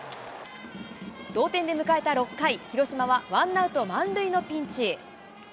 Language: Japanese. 同点で迎えた６回、広島はワンアウト満塁のピンチ。